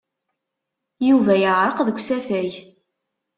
Yuba yeɛreq deg usafag.